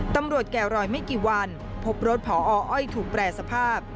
แก่รอยไม่กี่วันพบรถพออ้อยถูกแปรสภาพ